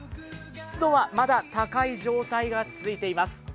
湿度はまだ、高い状態が続いています。